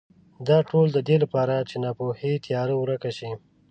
دا ټول د دې لپاره چې ناپوهۍ تیاره ورکه شي.